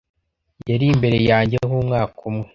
yari imbere yanjye ho umwaka umwe